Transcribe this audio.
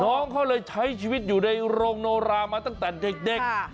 น้องเขาเลยใช้ชีวิตอยู่ในโรงโนรามาตั้งแต่เด็ก